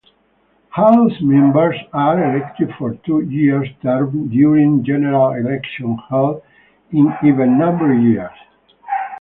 House members are elected for two-year terms during general elections held in even-numbered years.